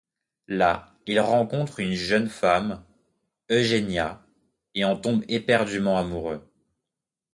Là, il rencontre une jeune femme, Eugenia, et en tombe éperdument amoureux.